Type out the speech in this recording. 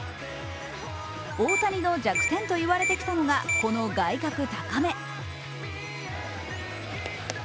大谷の弱点と言われてきたのがこの外角高め。